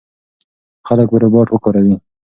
خلک به روباټ وکاروي.